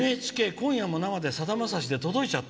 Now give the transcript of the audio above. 「今夜も生でさだまさし」で届いちゃう。